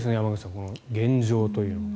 この現状というのが。